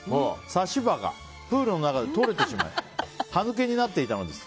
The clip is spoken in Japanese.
差し歯がプールの中で取れてしまい歯抜けになっていたのです。